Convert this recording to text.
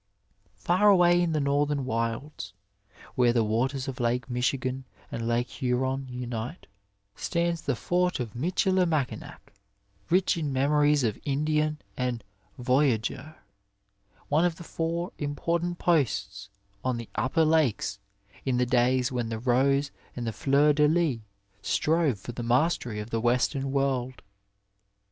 Far away in the northern wilds, where the waters of Lake Michigan and Lake Huron unite, stands the fort of Michilimackinac, rich in memories of Indian and voyageur, one of the four important posts on the upper lakes in the days when the Rose and the Fleur de lis strove for the mastery of the Western world.